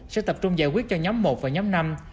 sẽ tập trung giải quyết cho nhóm một và nhóm năm